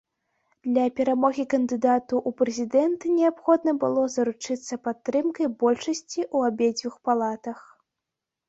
Для перамогі кандыдату ў прэзідэнты неабходна было заручыцца падтрымкай большасці ў абедзвюх палатах.